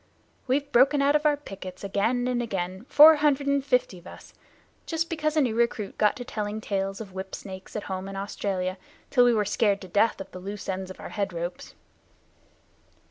We've broken out of our pickets, again and again, four hundred and fifty of us, just because a new recruit got to telling tales of whip snakes at home in Australia till we were scared to death of the loose ends of our head ropes."